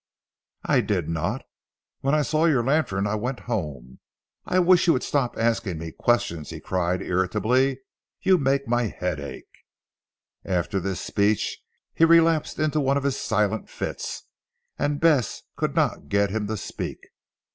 "I did not. When I saw your lantern I went home. I wish you would stop asking me questions," he cried irritably, "you make my head ache." After this speech, he relapsed into one of his silent fits, and Bess could not get him to speak.